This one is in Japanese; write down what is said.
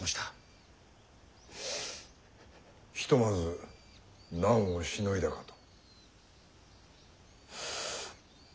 ひとまず難をしのいだかと。